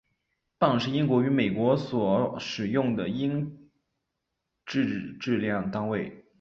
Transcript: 磅是英国与美国所使用的英制质量单位。